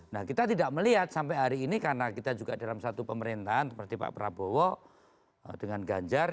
nah kita tidak melihat sampai hari ini karena kita juga dalam satu pemerintahan seperti pak prabowo dengan ganjar